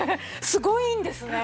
すごいんですね。